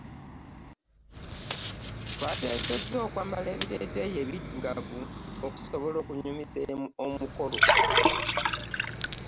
Twateseza okwambala ebiteeteeyi ebidugavu okwobola okunnyumisa omukolo.